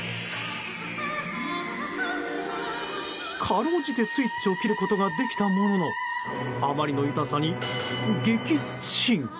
かろうじてスイッチを切ることができたもののあまりの痛さに撃チン。